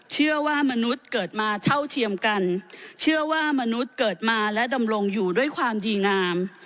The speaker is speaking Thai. เชื่อว่ามนุษย์เกิดมาเท่าเทียมกันเชื่อว่ามนุษย์เกิดมาและดำรงอยู่ด้วยความดีงาม